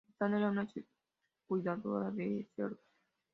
Stanton era una cuidadora de cerdos.